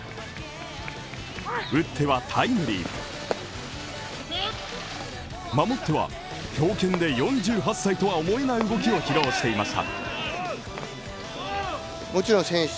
打ってはタイムリー、守っては強肩で４８歳とは思えない動きを披露していました。